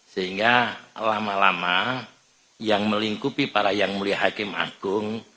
sehingga lama lama yang melingkupi para yang mulia hakim agung